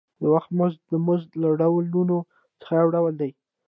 د وخت مزد د مزد له ډولونو څخه یو ډول دی